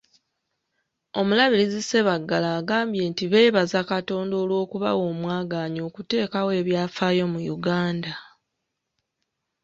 Omulabirizi Ssebaggala agambye nti beebaza Katonda olw'okubawa omwaganya okuteekawo ebyafaayo mu Uganda.